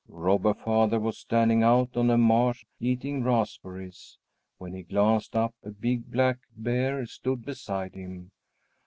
Robber Father was standing out on a marsh eating raspberries. When he glanced up, a big black bear stood beside him.